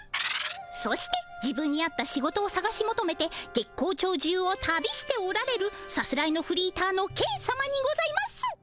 そして自分に合った仕事をさがしもとめて月光町中を旅しておられるさすらいのフリーターのケンさまにございます。